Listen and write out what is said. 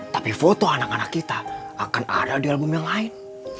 tapi foto anak anak kita akan ada di album yang lain